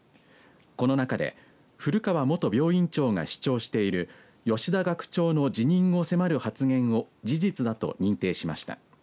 このなかで古川元病院長が主張している吉田学長の、辞任を迫る発言を事実だと認定しました。